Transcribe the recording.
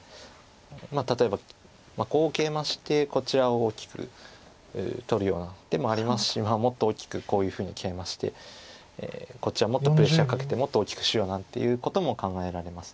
例えばこうケイマしてこちらを大きく取るような手もありますしもっと大きくこういうふうにケイマしてこっちはもっとプレッシャーかけてもっと大きくしようなんていうことも考えられます。